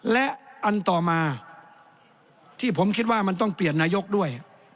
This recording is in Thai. และอันต่อมาที่ผมคิดว่ามันต้องเปลี่ยนนายกด้วย